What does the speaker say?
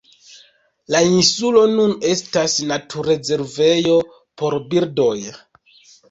La insulo nun estas naturrezervejo por birdoj.